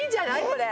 これ！